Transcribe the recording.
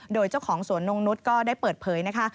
โดยเจ้าของสวนนงนุษย์ก็ได้เปิดเผยนะคะ